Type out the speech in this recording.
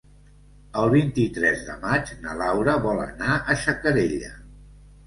El vint-i-tres de maig na Laura vol anar a Xacarella.